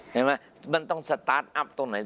เห็นไหมมันต้องสตาร์ทอัพตรงไหน